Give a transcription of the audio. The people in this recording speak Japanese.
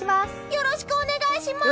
よろしくお願いします！